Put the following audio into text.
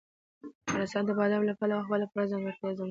افغانستان د بادامو له پلوه خپله پوره ځانګړې ځانګړتیا لري.